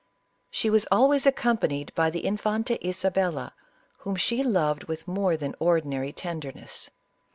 She was always accompanied by the In fanta Isabella, whom she loved with more than ordi nary tenderness.